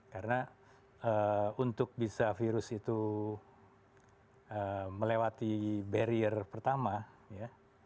karena untuk bisa virus itu melewati barrier pertama ya